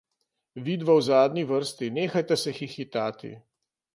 Vidva v zadnji vrsti, nehajta se hihitati!